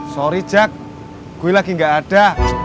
sorry jack gue lagi gak ada